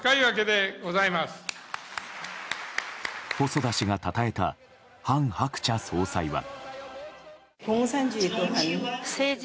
細田氏がたたえた韓鶴子総裁は。